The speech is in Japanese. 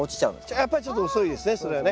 やっぱりちょっと遅いですね